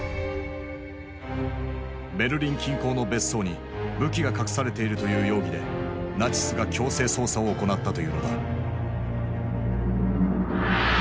ベルリン近郊の別荘に武器が隠されているという容疑でナチスが強制捜査を行ったというのだ。